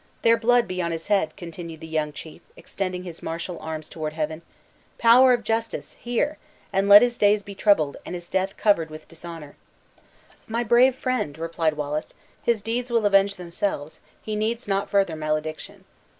Their blood be on his head!" continued the young chief, extending his martial arms toward heaven. "Power of Justice, hear! and let his days be troubled, and his death covered with dishonor!" "My brave friend!" replied Wallace, "his deeds will avenge themselves, he needs not further malediction.